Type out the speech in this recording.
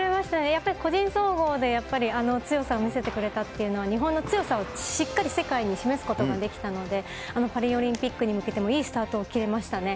やっぱり個人総合でやっぱり強さを見せてくれたっていうのは、日本の強さをしっかり世界に示すことができたので、パリオリンピックに向けてもいいスタートを切れましたね。